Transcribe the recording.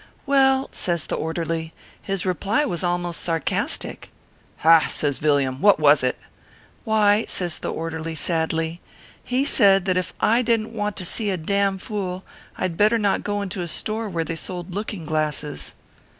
"Well," says the Orderly, "his reply was almost sarcastic." " Ha !" says Villiam, " what was t ?"" Why/ says the Orderly, sadly, " he said that if I didn t want to see a dam fool, I d better not go into a store where they sold looking glasses."